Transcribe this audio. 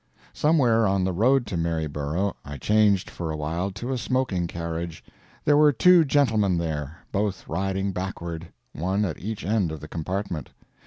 Somewhere on the road to Maryborough I changed for a while to a smoking carriage. There were two gentlemen there; both riding backward, one at each end of the compartment.